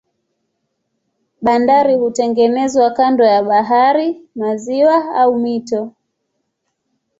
Bandari hutengenezwa kando ya bahari, maziwa au mito.